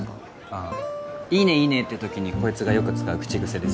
ああ「いいねいいね」って時にこいつがよく使う口癖です。